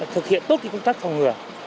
thực hiện tốt những công tác phòng ngừa